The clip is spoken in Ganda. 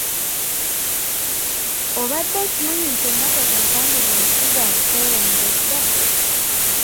Obadde okimanyi nti emmotoka ensangi zino si za buseere nga edda?